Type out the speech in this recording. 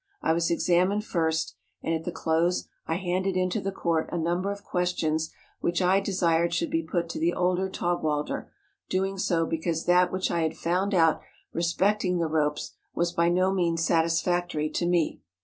I was examined first, and at the close I handed in to the court a number of questions which I desired should be put to the older Taugwalder; doing so because that which I had found out re¬ specting the ropes was by no means satisfactory to me.